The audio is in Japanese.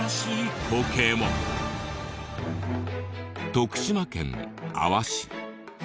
徳島県阿波市。